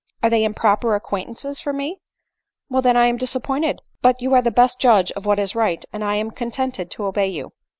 are they improper acquaintances for me ? Well then — I am disappointed ; but you are the best judge of what is right, and I am contented to obey you."